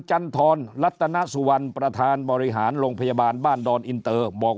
จันทรรัตนสุวรรณประธานบริหารโรงพยาบาลบ้านดอนอินเตอร์บอก